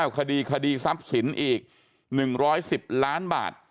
คดีคดีทรัพย์สินอีก๑๑๐ล้านบาท